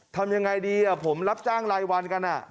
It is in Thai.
ทำยังไงดีผมรับจ้างรายวันกัน